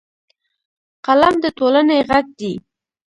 قلم د ټولنې غږ دی